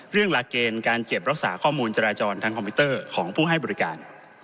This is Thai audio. หลักเกณฑ์การเก็บรักษาข้อมูลจราจรทางคอมพิวเตอร์ของผู้ให้บริการ